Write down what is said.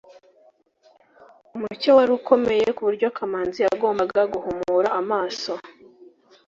umucyo wari ukomeye kuburyo kamanzi yagombaga guhumura amaso